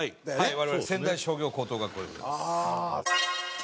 我々は仙台商業高等学校でございます。